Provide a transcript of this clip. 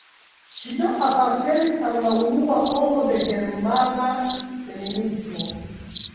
Ŝi do apartenis al la unua ondo de germana feminismo.